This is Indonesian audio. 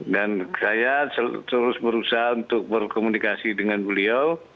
dan saya terus berusaha untuk berkomunikasi dengan beliau